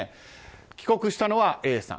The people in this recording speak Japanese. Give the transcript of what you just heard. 帰国したのはＡさん。